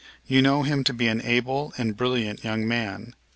You know him to be an able and brilliant young man.